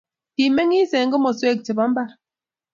Kimengiis eng komoswek chebo mbar